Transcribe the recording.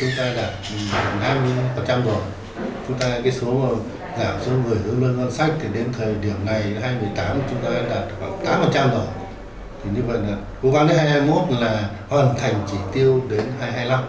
thì như vậy là quản lý hai nghìn hai mươi một là hoàn thành chỉ tiêu đến hai nghìn hai mươi năm